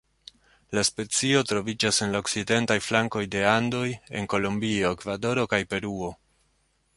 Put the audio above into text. La specio troviĝas en la okcidentaj flankoj de Andoj en Kolombio, Ekvadoro kaj Peruo.